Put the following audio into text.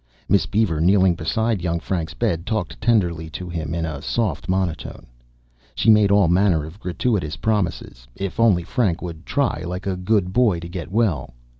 Miss Beaver, kneeling beside young Frank's bed, talked tenderly to him in a soft monotone. She made all manner of gratuitous promises, if only Frank would try like a good boy to get well.